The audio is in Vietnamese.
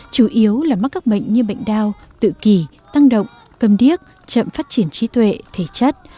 chủ yếu là mắc các bệnh như bệnh đau tự kỳ tăng động cầm điếc chậm phát triển trí tuệ thể chất